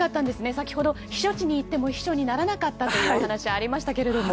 先ほど、避暑地に行っても避暑にならなかったというお話がありましたけれども。